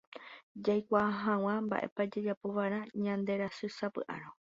jaikuaa hag̃ua mba'épa jajapova'erã ñanderasysapy'árõ